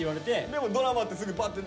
でも「ドラマ」ってすぐパッて。